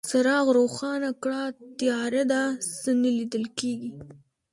څراغ روښانه کړه، تياره ده، څه نه ليدل کيږي.